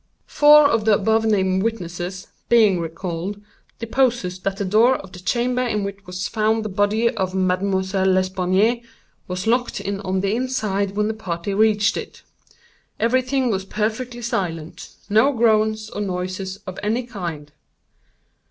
"Four of the above named witnesses, being recalled, deposed that the door of the chamber in which was found the body of Mademoiselle L. was locked on the inside when the party reached it. Every thing was perfectly silent—no groans or noises of any kind.